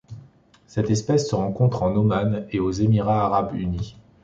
Cette espèce se rencontre en Oman et aux Émirats arabes unis.